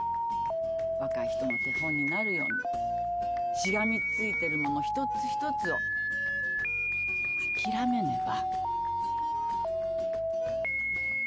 若い人の手本になるようにしがみついてるもの一つ一つを諦めねば。